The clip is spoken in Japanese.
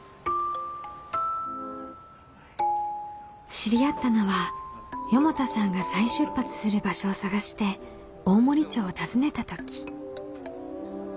知り合ったのは四方田さんが再出発する場所を探して大森町を訪ねた時。